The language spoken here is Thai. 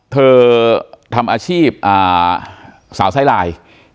เธอทำอาชีพสาวไซลาย